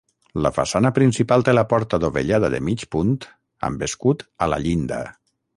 La façana principal té la porta dovellada de mig punt amb escut a la llinda.